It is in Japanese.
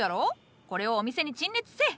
これをお店に陳列せい！